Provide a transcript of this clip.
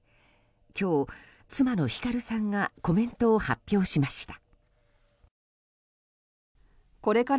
今日、妻の光さんがコメントを発表しました。